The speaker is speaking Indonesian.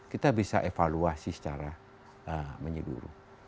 kita bisa evaluasi secara menyeluruh